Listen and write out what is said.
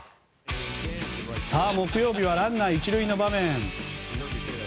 さあ、木曜日はランナー１塁の場面。